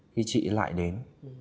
khi chị lại đến